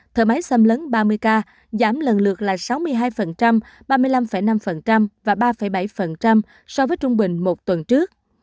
thợ máy xâm lấn ba mươi k giảm lần lượt là sáu mươi hai ba mươi năm năm và ba bảy so với trung bình một tuần trước